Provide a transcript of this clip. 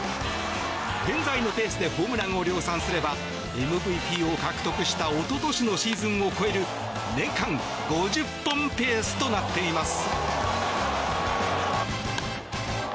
現在のペースでホームランを量産すればＭＶＰを獲得した一昨年のシーズンを超える年間５０本ペースとなっています。